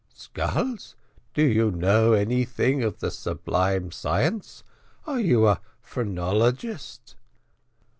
"Skulls skulls do you know anything of the sublime science; are you a phrenologist?"